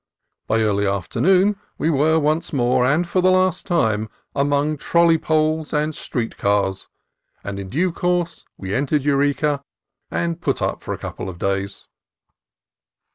By early afternoon we were once more, and for the last time, among trolley poles and street cars, and in due course we entered Eureka and put up for a couple of days.